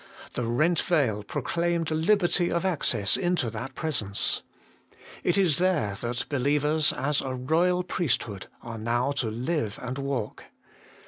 The rent veil proclaimed liberty of access into that Presence. It is there that believers as a royal priesthood are now to live and walk.